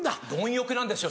貪欲なんですよ